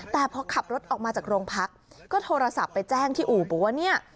แต่พอขับรถออกมาจากโรงพักก็โทรศัพท์ไปแจ้งที่อู่บอกว่าเนี่ย